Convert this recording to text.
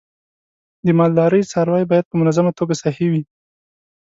د مالدارۍ څاروی باید په منظمه توګه صحي وي.